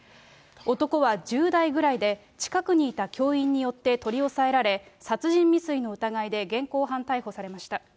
男は１０代ぐらいで、近くにいた教員によって取り押さえられ、殺人未遂の疑いで現行犯逮捕されました。